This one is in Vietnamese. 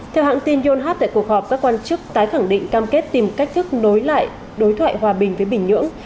theo hãng tin yonhap tại cuộc họp các quan chức tái khẳng định cam kết tìm cách thức nối lại đối thoại hòa bình với bình nhưỡng